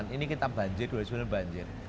ini kita banjir dua ribu sembilan banjir